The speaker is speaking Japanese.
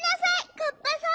カッパさん。